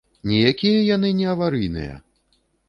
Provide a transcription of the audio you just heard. Ніякія яны не аварыйныя.